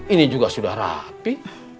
ini juga sudah rapi